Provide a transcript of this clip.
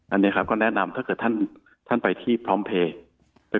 อันนี้ครับก็แนะนำถ้าเกิดท่านไปที่พร้อมเพลย์